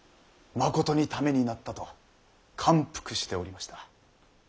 まことにためになったと感服しておりました。